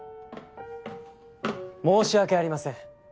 申し訳ありません。